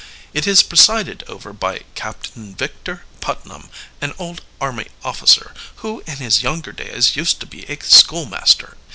"It is presided over by Captain Victor Putnam, an old army officer, who in his younger days used to be a schoolmaster.